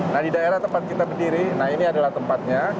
nah di daerah tempat kita berdiri nah ini adalah tempatnya